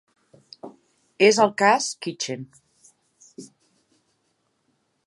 És el ‘cas Kitchen’.